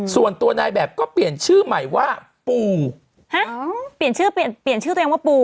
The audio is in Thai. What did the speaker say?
ส่วนตัวนายแบบก็เปลี่ยนชื่อใหม่ว่าปูฮะเปลี่ยนชื่อเปลี่ยนเปลี่ยนชื่อตัวเองว่าปู